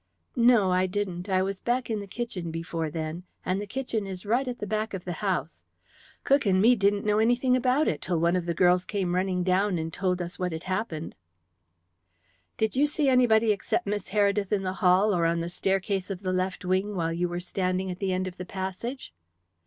"No, I didn't. I was back in the kitchen before then, and the kitchen is right at the back of the house. Cook and me didn't know anything about it till one of the girls came running down and told us about what had happened." "Did you see anybody except Miss Heredith in the hall or on the staircase of the left wing while you were standing at the end of the passage?"